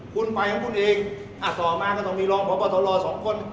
คุณไปของคุณเองอ่ะสอบมาก็ต้องมีร้องพร้อมพอสอบรอสองคน